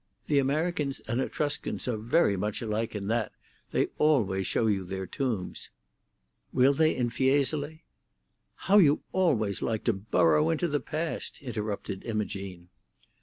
The Americans and Etruscans are very much alike in that—they always show you their tombs." "Will they in Fiesole?" "How you always like to burrow into the past!" interrupted Imogene.